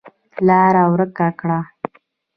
لاره ورکه کړه.